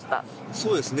そうですね